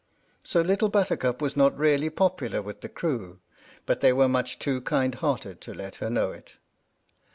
So Little Buttercup was not really popular with the crew, but they were much too kind hearted to let her know it.